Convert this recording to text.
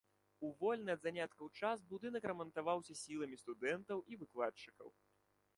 У вольны ад заняткаў час будынак рамантаваўся сіламі студэнтаў і выкладчыкаў.